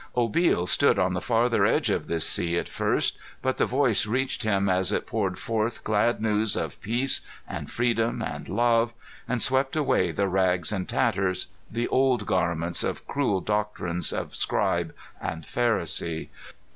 Obil stood on the farther edge of this sea at first, but the Voice reached him as it poured forth glad news of peace and freedom and love, and swept away the rags and tatters, the "old garments" of cruel doctrines of Scribe and Pharisee.